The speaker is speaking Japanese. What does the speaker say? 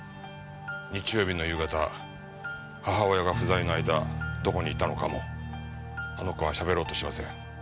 日曜日の夕方母親が不在の間どこにいたのかもあの子はしゃべろうとしません。